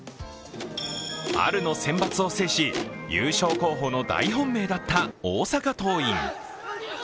春のセンバツを制し、優勝候補の大本命だった大阪桐蔭。